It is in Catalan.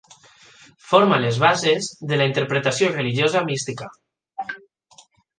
Forma les bases de la interpretació religiosa mística.